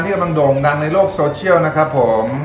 กำลังโด่งดังในโลกโซเชียลนะครับผม